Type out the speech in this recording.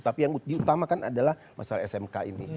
tapi yang diutamakan adalah masalah smk ini